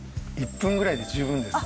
１分ぐらいで十分です。